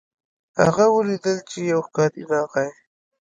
هغه ولیدل چې یو ښکاري راغی.